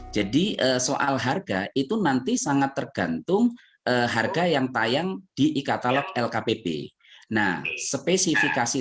jadi soal harga itu nanti sangat tergantung harga yang tayang di e katalog lkpp nah spesifikasi